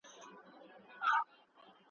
کله کښته کله پورته کله شاته ,